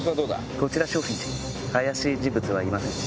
こちら松フィン寺怪しい人物はいません。